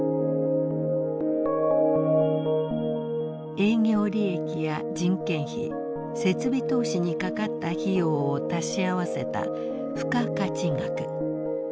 営業利益や人件費設備投資にかかった費用を足し合わせた付加価値額。